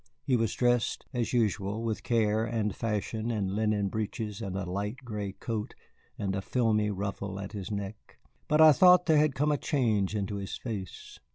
He was dressed, as usual, with care and fashion, in linen breeches and a light gray coat and a filmy ruffle at his neck. But I thought there had come a change into his face.